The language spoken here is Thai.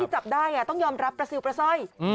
ที่จับได้ต้องยอมรับประซิบประส่อย